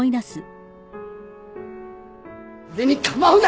俺に構うな！